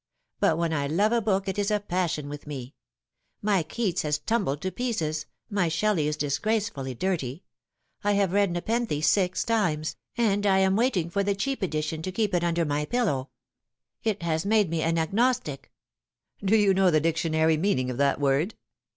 But when I love a book it is a passion with me. My Keats has tumbled to pieces ; my Shelley is disgracefully dirty. I have read Nepenthe six times, and I am waiting for the cheap edition, to keep it under my pillow. It has made me an Agnostic." " Do you know the dictionary meaning of that word